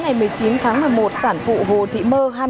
ngày một mươi chín tháng một mươi một sản phụ hồ thị mơ